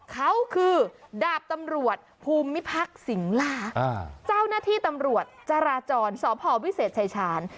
เขาคือดาบตำรวจภูมิพักสิงหลาเจ้าหน้าที่ตำรวจจราจรสพวิเศษชายชาญ